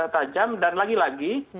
tajam dan lagi lagi